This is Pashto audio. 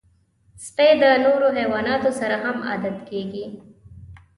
سپي د نورو حیواناتو سره هم عادت کېږي.